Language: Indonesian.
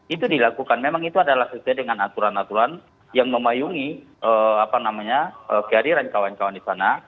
itu dilakukan memang itu adalah sesuai dengan aturan aturan yang memayungi kehadiran kawan kawan di sana